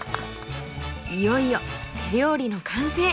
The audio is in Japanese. いよいよ手料理の完成！